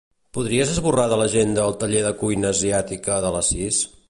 Podries esborrar de l'agenda el taller de cuina asiàtica de les sis?